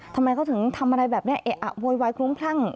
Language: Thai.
ทำไมเขาถึงทำอะไรแบบนี้เอะอะโวยวายคลุ้มคลั่ง